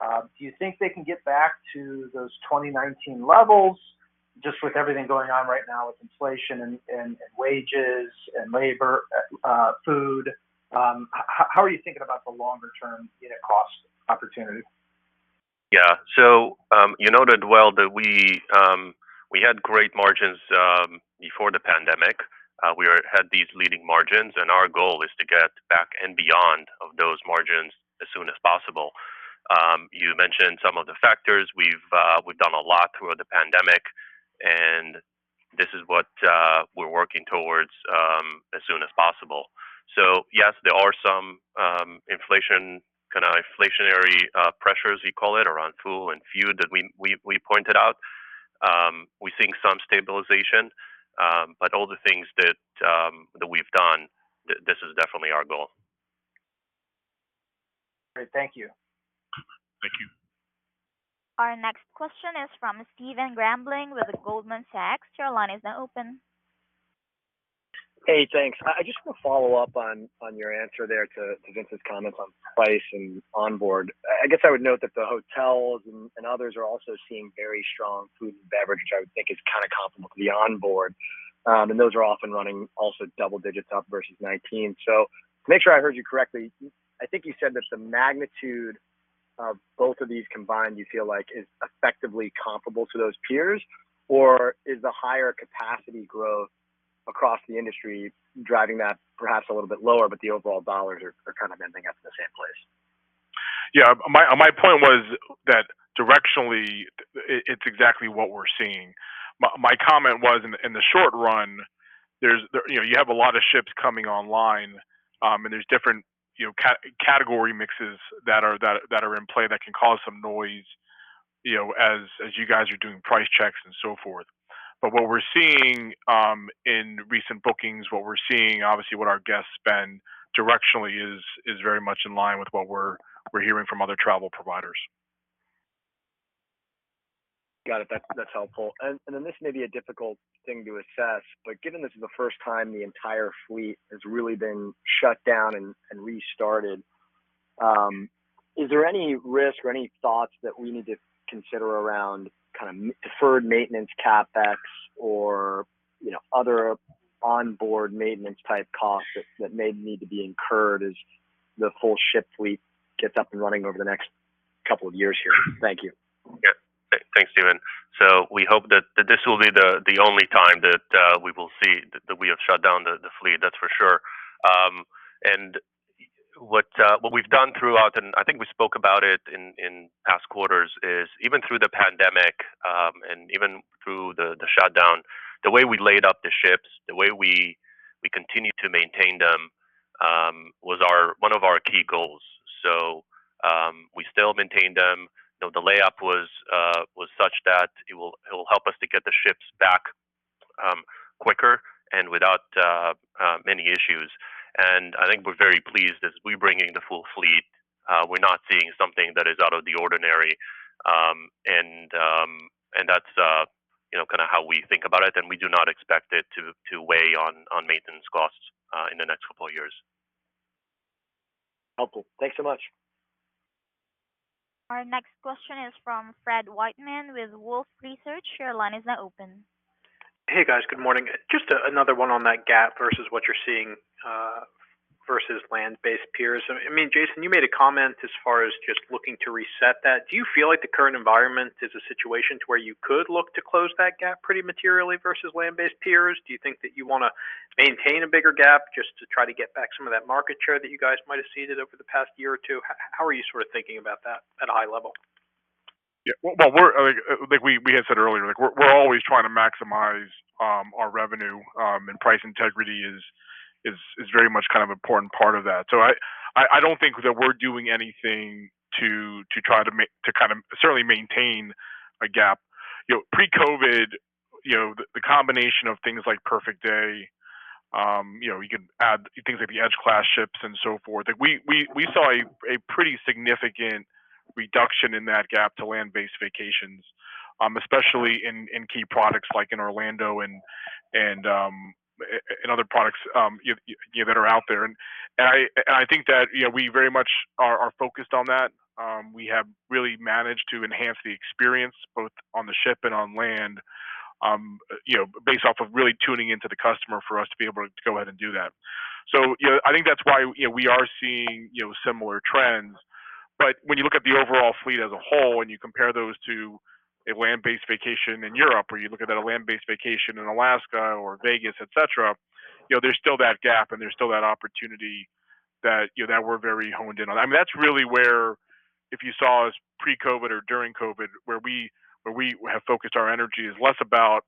Do you think they can get back to those 2019 levels just with everything going on right now with inflation and wages and labor, food? How are you thinking about the longer-term unit cost opportunity? Yeah, you noted well that we had great margins before the pandemic. We had these leading margins, and our goal is to get back to and beyond those margins as soon as possible. You mentioned some of the factors. We've done a lot throughout the pandemic, and this is what we're working towards as soon as possible. Yes, there are some inflation, kind of inflationary pressures you call it around fuel and food that we pointed out. We're seeing some stabilization, but all the things that the Great. Thank you. Thank you. Our next question is from Stephen Grambling with Goldman Sachs. Your line is now open. Hey, thanks. I just want to follow up on your answer there to Vince's comment on price and onboard. I guess I would note that the hotels and others are also seeing very strong food and beverage, which I would think is kind of comparable to the onboard. And those are often running also double digits up versus 2019. To make sure I heard you correctly, I think you said that the magnitude of both of these combined, you feel like is effectively comparable to those peers? Or is the higher capacity growth across the industry driving that perhaps a little bit lower, but the overall dollars are kind of ending up in the same place? Yeah. My point was that directionally, it's exactly what we're seeing. My comment was in the short run, there's you know, you have a lot of ships coming online, and there's different you know, category mixes that are in play that can cause some noise, you know, as you guys are doing price checks and so forth. What we're seeing in recent bookings, what we're seeing, obviously what our guests spend directionally is very much in line with what we're hearing from other travel providers. Got it. That's helpful. Then this may be a difficult thing to assess, but given this is the first time the entire fleet has really been shut down and restarted, is there any risk or any thoughts that we need to consider around kind of deferred maintenance CapEx or, you know, other onboard maintenance type costs that may need to be incurred as the whole ship fleet gets up and running over the next couple of years here? Thank you. Yeah. Thanks, Stephen. We hope that this will be the only time that we will see that we have shut down the fleet, that's for sure. What we've done throughout, and I think we spoke about it in past quarters, is even through the pandemic, and even through the shutdown, the way we laid up the ships, the way we continued to maintain them, was one of our key goals. We still maintained them. You know, the layup was such that it will help us to get the ships back quicker and without many issues. I think we're very pleased as we bring in the full fleet, we're not seeing something that is out of the ordinary. That's you know kinda how we think about it, and we do not expect it to weigh on maintenance costs in the next couple of years. Helpful. Thanks so much. Our next question is from Fred Wightman with Wolfe Research. Your line is now open. Hey, guys. Good morning. Just another one on that gap versus what you're seeing versus land-based peers. I mean, Jason, you made a comment as far as just looking to reset that. Do you feel like the current environment is a situation to where you could look to close that gap pretty materially versus land-based peers? Do you think that you wanna maintain a bigger gap just to try to get back some of that market share that you guys might have ceded over the past year or two? How are you sort of thinking about that at high level? Yeah. Well, we're like we had said earlier, like we're always trying to maximize our revenue, and price integrity is very much kind of important part of that. So I don't think that we're doing anything to try to kind of certainly maintain a gap. You know, pre-COVID, you know, the combination of things like Perfect Day, you know, you could add things like the Edge class ships and so forth, like we saw a pretty significant reduction in that gap to land-based vacations, especially in key products like in Orlando and other products, you know, that are out there. I think that, you know, we very much are focused on that. We have really managed to enhance the experience both on the ship and on land, you know, based off of really tuning into the customer for us to be able to go ahead and do that. You know, I think that's why, you know, we are seeing, you know, similar trends. When you look at the overall fleet as a whole and you compare those to a land-based vacation in Europe, or you look at a land-based vacation in Alaska or Vegas, et cetera, you know, there's still that gap and there's still that opportunity that, you know, that we're very honed in on. I mean, that's really where, if you saw us pre-COVID or during COVID, where we have focused our energy is less about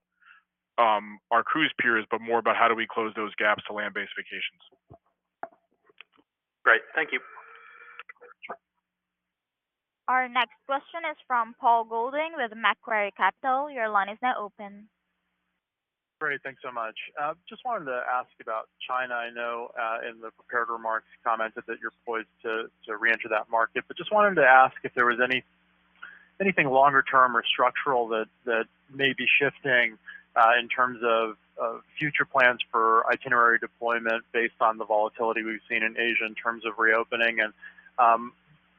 our cruise peers, but more about how do we close those gaps to land-based vacations. Great. Thank you. Our next question is from Paul Golding with Macquarie Capital. Your line is now open. Great. Thanks so much. Just wanted to ask about China. I know, in the prepared remarks, you commented that you're poised to reenter that market. Just wanted to ask if there was anything longer term or structural that may be shifting, in terms of future plans for itinerary deployment based on the volatility we've seen in Asia in terms of reopening, and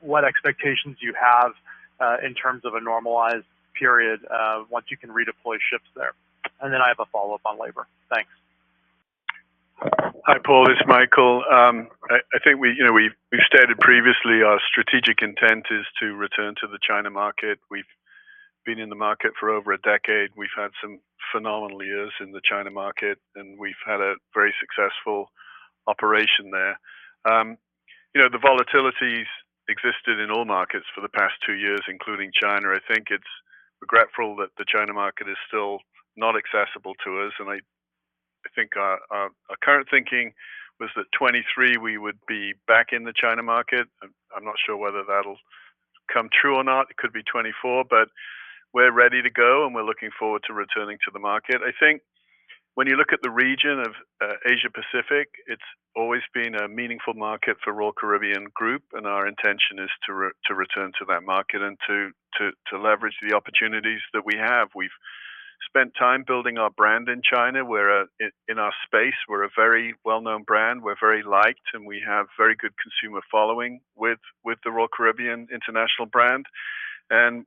what expectations you have, in terms of a normalized period, once you can redeploy ships there. Then I have a follow-up on labor. Thanks. Hi, Paul, it's Michael. I think we, you know, we've stated previously our strategic intent is to return to the China market. We've been in the market for over a decade. We've had some phenomenal years in the China market, and we've had a very successful operation there. You know, the volatility's existed in all markets for the past two years, including China. I think it's regretful that the China market is still not accessible to us, and I think our current thinking was that 2023 we would be back in the China market. I'm not sure whether that'll Come true or not, it could be 2024, but we're ready to go, and we're looking forward to returning to the market. I think when you look at the region of Asia Pacific, it's always been a meaningful market for Royal Caribbean Group, and our intention is to return to that market and to leverage the opportunities that we have. We've spent time building our brand in China, where in our space, we're a very well-known brand. We're very liked, and we have very good consumer following with the Royal Caribbean International brand.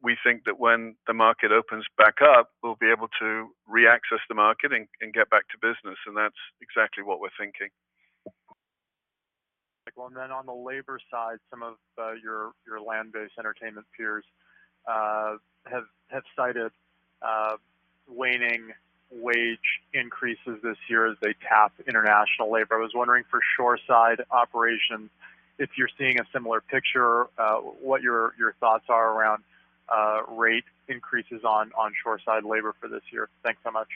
We think that when the market opens back up, we'll be able to re-access the market and get back to business. That's exactly what we're thinking. Like, well, on the labor side, some of your land-based entertainment peers have cited waning wage increases this year as they tap international labor. I was wondering for shoreside operations, if you're seeing a similar picture, what your thoughts are around rate increases on shoreside labor for this year. Thanks so much.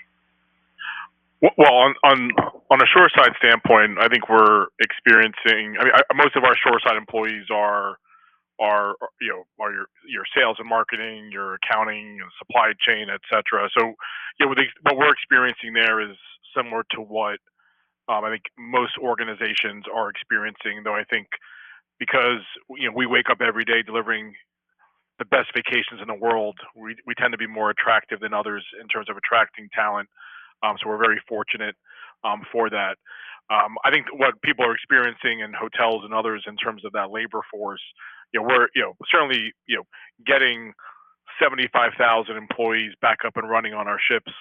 On a shoreside standpoint, I think we're experiencing. I mean, most of our shoreside employees are, you know, your sales and marketing, your accounting, your supply chain, et cetera. So, you know, what we're experiencing there is similar to what I think most organizations are experiencing, though, I think because, you know, we wake up every day delivering the best vacations in the world, we tend to be more attractive than others in terms of attracting talent, so we're very fortunate for that. I think what people are experiencing in hotels and others in terms of that labor force, you know, we're, you know, certainly, you know, getting 75,000 employees back up and running on our ships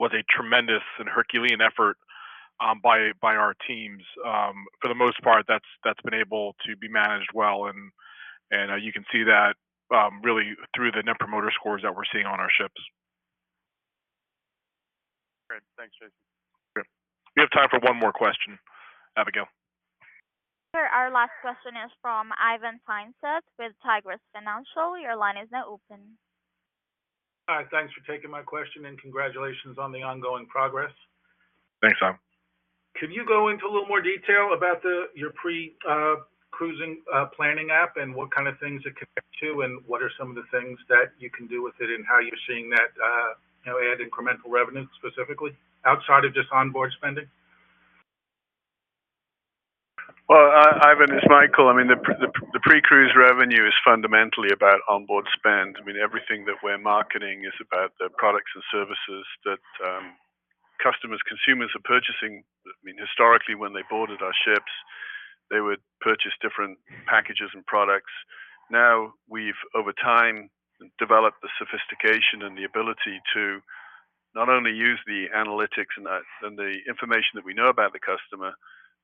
was a tremendous and herculean effort by our teams. For the most part, that's been able to be managed well, and you can see that really through the Net Promoter Scores that we're seeing on our ships. Great. Thanks, Jason. Sure. We have time for one more question. Abigail. Sure. Our last question is from Ivan Feinseth with Tigress Financial Partners. Your line is now open. Hi. Thanks for taking my question and congratulations on the ongoing progress. Thanks, Ivan. Could you go into a little more detail about your pre-cruising planning app and what kind of things it connects to, and what are some of the things that you can do with it and how you're seeing that, you know, add incremental revenue specifically outside of just onboard spending? Well, Ivan, it's Michael. I mean, the pre-cruise revenue is fundamentally about onboard spend. I mean, everything that we're marketing is about the products and services that, customers, consumers are purchasing. I mean, historically, when they boarded our ships, they would purchase different packages and products. Now, we've over time developed the sophistication and the ability to not only use the analytics and the information that we know about the customer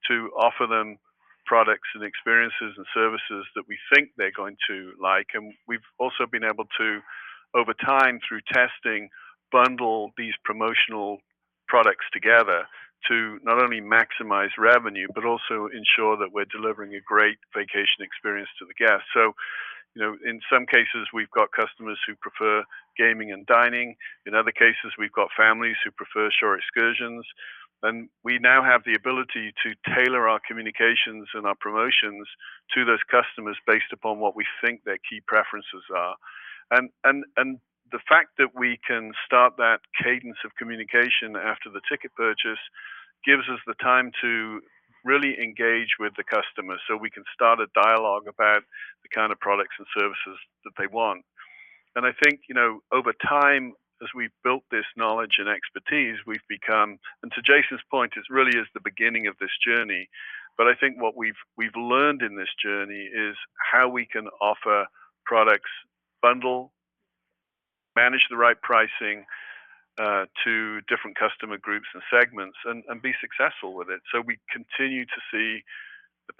to offer them products and experiences and services that we think they're going to like. We've also been able to, over time, through testing, bundle these promotional products together to not only maximize revenue but also ensure that we're delivering a great vacation experience to the guest. You know, in some cases, we've got customers who prefer gaming and dining. In other cases, we've got families who prefer shore excursions. We now have the ability to tailor our communications and our promotions to those customers based upon what we think their key preferences are. The fact that we can start that cadence of communication after the ticket purchase gives us the time to really engage with the customer, so we can start a dialogue about the kind of products and services that they want. I think, you know, over time, as we've built this knowledge and expertise. To Jason's point, this really is the beginning of this journey. I think what we've learned in this journey is how we can offer product bundles, manage the right pricing to different customer groups and segments and be successful with it. We continue to see the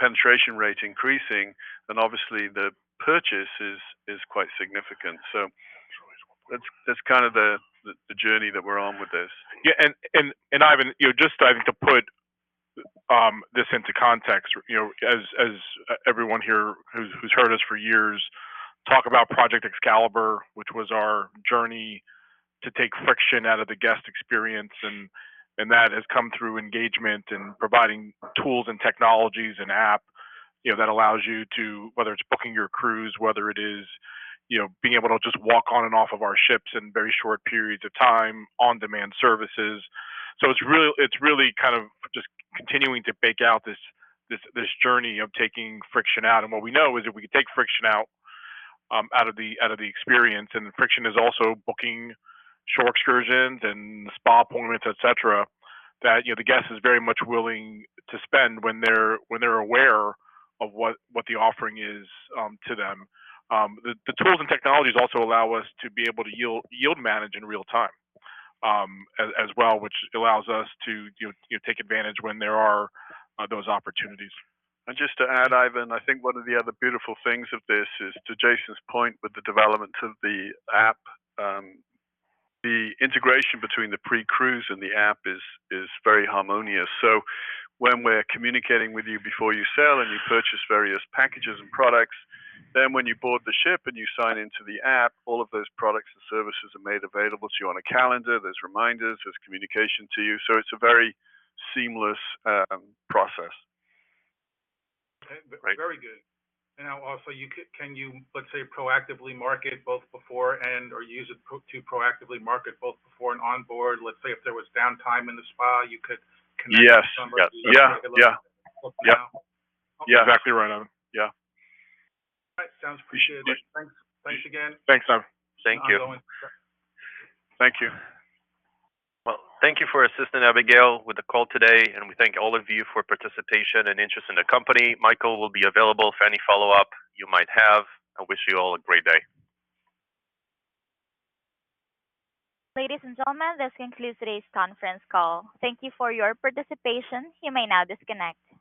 penetration rate increasing, and obviously the purchase is quite significant. That's kind of the journey that we're on with this. Yeah. Ivan, you know, to put this into context, you know, as everyone here who's heard us for years talk about Project Excalibur, which was our journey to take friction out of the guest experience, and that has come through engagement and providing tools and technologies and app, you know, that allows you to, whether it's booking your cruise, whether it is, you know, being able to just walk on and off of our ships in very short periods of time, on-demand services. It's really kind of just continuing to build out this journey of taking friction out. What we know is if we can take friction out of the experience, and the friction is also booking shore excursions and spa appointments, et cetera, that you know, the guest is very much willing to spend when they're aware of what the offering is to them. The tools and technologies also allow us to be able to yield manage in real time, as well, which allows us to you know, take advantage when there are those opportunities. Just to add, Ivan, I think one of the other beautiful things of this is, to Jason's point with the development of the app, the integration between the pre-cruise and the app is very harmonious. When we're communicating with you before you sail and you purchase various packages and products, then when you board the ship and you sign into the app, all of those products and services are made available to you on a calendar. There's reminders. There's communication to you. It's a very seamless process. Okay. Very good. Now also, you can, let's say, proactively market both before and/or use it to proactively market both before and onboard? Let's say if there was downtime in the spa, you could connect with somebody. Yes. Yep. Yeah. Yeah. to book an appointment. Yeah. Exactly right, Ivan. Yeah. All right. Sounds appreciated. Thanks. Thanks again. Thanks, Ivan. Thank you. Ongoing. Thank you. Well, thank you for assisting Abigail with the call today, and we thank all of you for participation and interest in the company. Michael will be available for any follow-up you might have. I wish you all a great day. Ladies and gentlemen, this concludes today's conference call. Thank you for your participation. You may now disconnect.